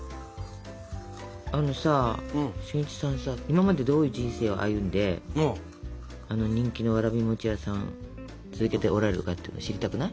あのさ俊一さんさ今までどういう人生を歩んであの人気のわらび餅屋さん続けておられるかっていうの知りたくない？